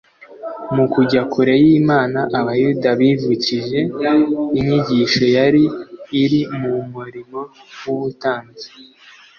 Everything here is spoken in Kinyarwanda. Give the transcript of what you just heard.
Mu kujya kure y'Imana, Abayuda bivukije inyigisho yari iri mu murimo w'ubutambyi,